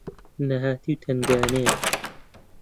نەهاتی و تەنگانەیە